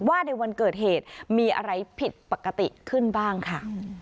ว่าในวันเกิดเหตุมีอะไรผิดปกติขึ้นบ้างค่ะ